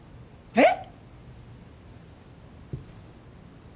えっ？